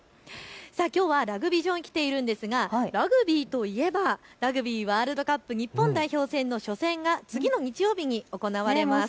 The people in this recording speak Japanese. きょうはラグビー場に来ているんですが、ラグビーといえば、ラグビーワールドカップ、日本代表戦の初戦が次の日曜日に行われます。